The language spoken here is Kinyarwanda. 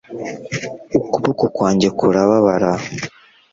ukuboko kwanjye kurababara